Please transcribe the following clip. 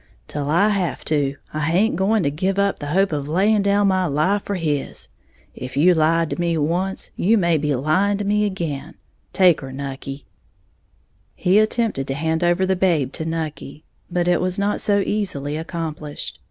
Till I have to, I haint going to give up the hope of laying down my life for his. If you lied to me once, you may be lying to me again. Take her, Nucky!" He attempted to hand over the babe to Nucky; but it was not so easily accomplished.